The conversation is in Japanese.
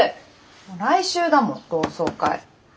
来週だもん同窓会。